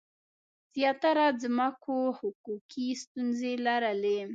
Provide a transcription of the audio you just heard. زیاتره ځمکو حقوقي ستونزې لرلې.